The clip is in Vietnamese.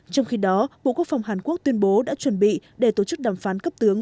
trong khi đó bộ quốc phòng hàn quốc tuyên bố đã chuẩn bị để tổ chức đàm phán cấp tướng